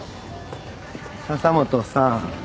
・笹本さん。